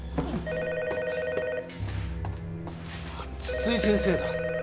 ☎津々井先生だ。